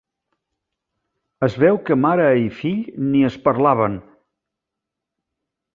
Es veu que mare i fill ni es parlaven!